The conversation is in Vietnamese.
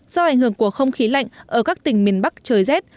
do ảnh hưởng của không khí lạnh ở các tỉnh miền bắc trời rét